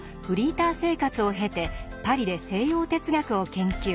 フリーター生活を経てパリで西洋哲学を研究。